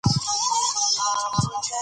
باسواده نجونې د خپلې کورنۍ ملاتړ کوي.